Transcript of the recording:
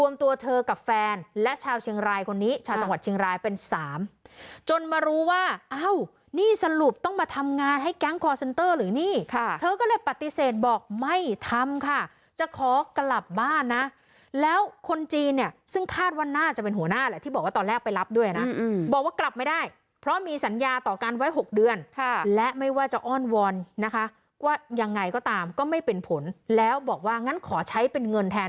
มาให้แก๊งคอร์เซ็นเตอร์หรือนี่ค่ะเธอก็เลยปฏิเสธบอกไม่ทำค่ะจะขอกลับบ้านนะแล้วคนจีนเนี้ยซึ่งคาดว่าหน้าจะเป็นหัวหน้าแหละที่บอกว่าตอนแรกไปรับด้วยนะอืมอืมบอกว่ากลับไม่ได้เพราะมีสัญญาต่อการไว้หกเดือนค่ะและไม่ว่าจะอ้อนวอนนะคะว่ายังไงก็ตามก็ไม่เป็นผลแล้วบอกว่างั้นขอใช้เป็นเงินแทน